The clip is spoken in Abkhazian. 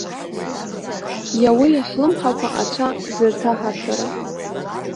Иауеи ҳлымҳақәа ацәа зырҭаҳарҭәара?!